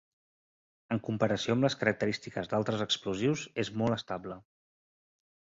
En comparació amb les característiques d'altres explosius és molt estable.